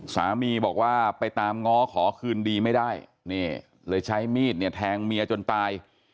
สามีบอกว่าไปตามง้อขอคืนดีไม่ได้นี่เลยใช้มีดเนี่ยแทงเมียจนตาย